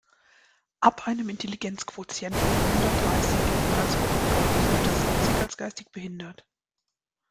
Ab einem Intelligenzquotienten von hundertdreißig gilt man als hochbegabt, unter siebzig als geistig behindert.